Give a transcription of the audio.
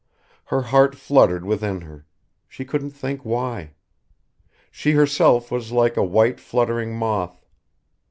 Her heart fluttered within her: she couldn't think why. She herself was like a white, fluttering moth.